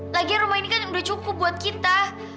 lagi rumah ini kan udah cukup buat kita